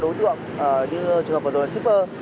đối tượng như trường hợp vừa rồi là shipper